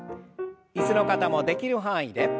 椅子の方もできる範囲で。